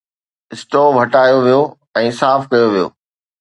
اسٽو هٽايو ويو ۽ صاف ڪيو ويو